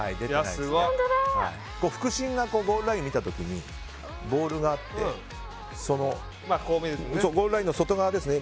副審がゴールラインを見た時にボールがあってそのゴールラインの外側